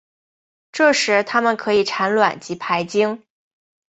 这时它们可以产卵及排精。